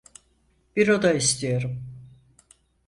Bir oda istiyorum.